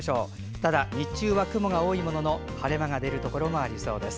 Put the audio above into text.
ただ、日中は雲が多いものの晴れ間が出るところもありそうです。